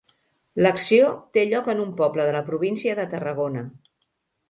L'acció té lloc en un poble de la província de Tarragona.